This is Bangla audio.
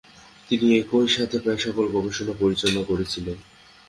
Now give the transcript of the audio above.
তিনি একসাথেই প্রায় সকল গবেষণা পরিচালনা করেছিলেন।